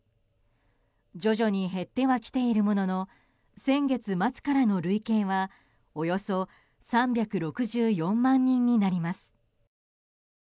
徐々に減ってはきているものの先月末からの累計はおよそ３６４万人になります。